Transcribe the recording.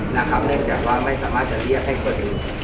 เนื่องจากว่าไม่สามารถจะเรียกให้คนอื่น